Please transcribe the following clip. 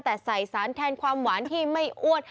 แต่ใส่สารแทนความหวานที่ไม่อ้วน